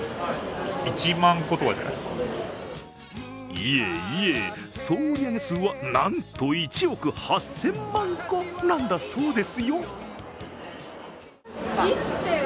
いえいえ、総売上数はなんと１億８０００万個なんだそうですよ。